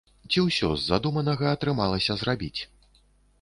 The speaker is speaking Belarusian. Ці ўсё з задуманага атрымалася зрабіць?